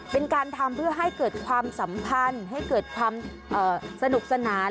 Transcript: เป็นการทำเพื่อให้เกิดความสัมพันธ์ให้เกิดความสนุกสนาน